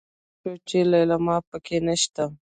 پروفيسر پوه شو چې ليلما پکې نشته.